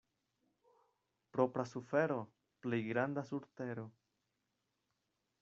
Propra sufero — plej granda sur tero.